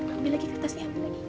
ambil lagi kertasnya